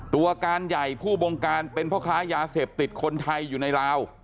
ตัวการใหญ่ผู้บงการเป็นพ่อค้ายาเสพติดคนไทยอยู่ในลาว